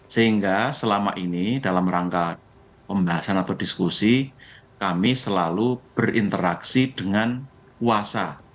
sehingga selama ini dalam rangka pembahasan atau diskusi kami selalu berinteraksi dengan kuasa